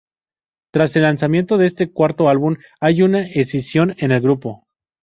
Tras el lanzamiento de este cuarto álbum, hay una escisión en el grupo.